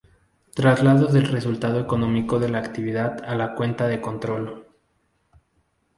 Traslado del resultado económico de la actividad a la cuenta de control.